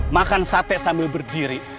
makan sate sambil berdiri